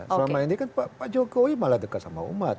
selama ini kan pak jokowi malah dekat sama umat